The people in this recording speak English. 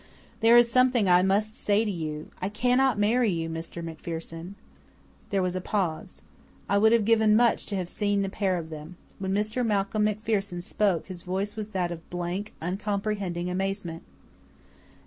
"There is something I must say to you. I cannot marry you, Mr. MacPherson." There was a pause. I would have given much to have seen the pair of them. When Mr. Malcolm MacPherson spoke his voice was that of blank, uncomprehending amazement.